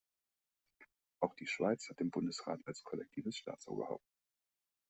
Auch die Schweiz hat den Bundesrat als kollektives Staatsoberhaupt.